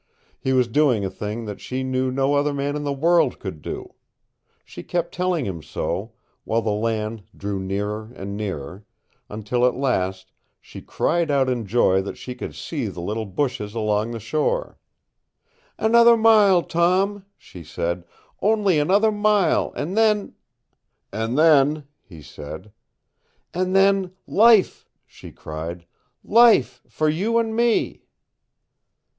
He was doing a thing that she knew no other man in the world could do. She kept telling him so, while the land drew nearer and nearer, until at last she cried out in joy that she could see the little bushes along the shore. "Another mile, Tom!" she said. "Only another mile, and then " "And then " he said. "And then life!" she cried. "Life for you and me!"